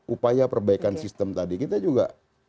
upaya perbaikan sistem tadi kita juga